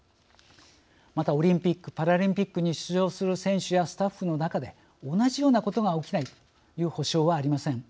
また、オリンピックパラリンピックに出場する選手やスタッフの中で同じようなことが起きないという保証はありません。